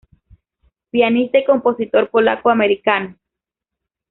Pianista y compositor polaco-americano.